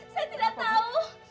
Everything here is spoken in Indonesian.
saya tidak tahu